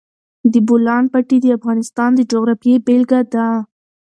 د بولان پټي د افغانستان د جغرافیې بېلګه ده.